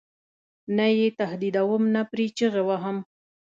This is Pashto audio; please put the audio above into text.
نه یې تهدیدوم نه پرې چغې وهم.